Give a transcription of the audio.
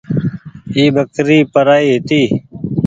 اي ٻڪري پرآئي هيتي۔